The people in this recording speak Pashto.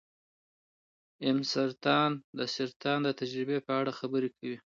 ام سلطان د سرطان د تجربې په اړه خبرې کوي.